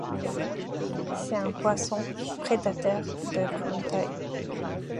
C'est un poisson prédateur de grande taille.